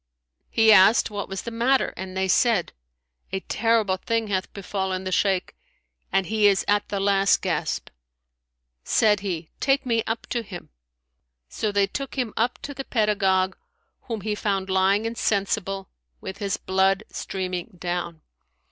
He asked what was the matter and they said, "A terrible thing hath befallen the Shaykh and he is at the last gasp." Said he, "Take me up to him"; so they took him up to the pedagogue whom he found lying insensible, with his blood streaming down.